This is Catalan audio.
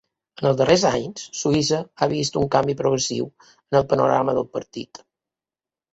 En els darrers anys, Suïssa ha vist un canvi progressiu en el panorama del partit.